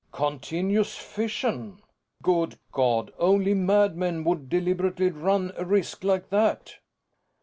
"Continuous fission? Good God, only madmen would deliberately run a risk like that!"